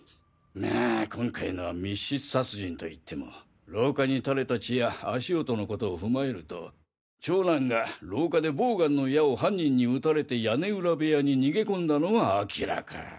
まあ今回のは密室殺人と言っても廊下に垂れた血や足音のことを踏まえると長男が廊下でボウガンの矢を犯人に撃たれて屋根裏部屋に逃げ込んだのは明らか。